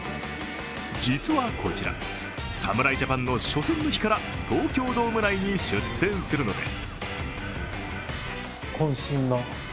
実はこちら、侍ジャパンの初戦の日から東京ドーム内に出店するのです。